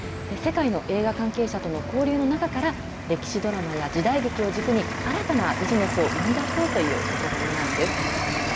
世界の映画関係者との交流の中から、歴史ドラマや時代劇を軸に、新たなビジネスを生み出そうという試みなんです。